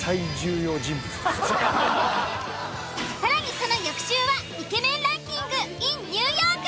更にその翌週はイケメンランキングｉｎニューヨーク。